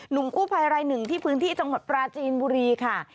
กู้ภัยรายหนึ่งที่พื้นที่จังหวัดปราจีนบุรีค่ะ